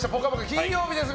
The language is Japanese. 金曜日です。